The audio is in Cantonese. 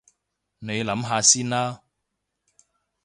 你諗下先啦